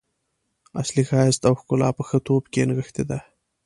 اصلي ښایست او ښکلا په ښه توب کې نغښتې ده.